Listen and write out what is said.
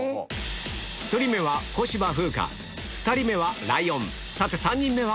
１人目は小芝風花２人目はライオンさて３人目は？